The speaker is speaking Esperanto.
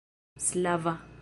slava